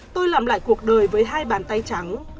tôi làm lại cuộc đời với hai bàn tay trắng